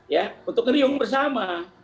ya untuk ngeriung bersama